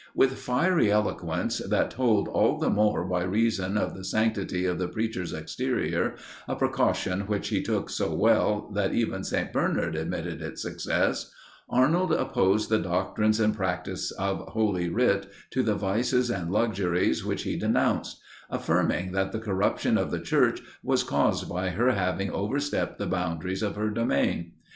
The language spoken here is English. With fiery eloquence, that told all the more by reason of the sanctity of the preacher's exterior a precaution which he took so well that even St. Bernard admitted its success Arnold opposed the doctrines and practice of Holy Writ to the vices and luxuries which he denounced; affirming that the corruption of the Church was caused by her having overstepped the boundaries of her domain.